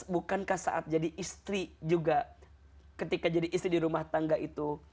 bukankah saat jadi istri juga ketika jadi istri di rumah tangga itu